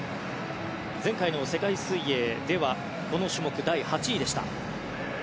前回の世界水泳ではこの種目、第８位でした。